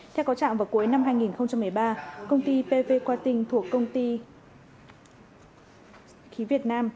theo có trạng vào cuối năm hai nghìn một mươi ba công ty pv quạt tình thuộc công ty khí việt nam